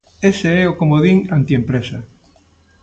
Ese é o comodín antiempresa.